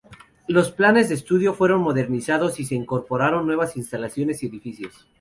Los planes de estudio fueron modernizados y se incorporaron nuevas instalaciones y edificios.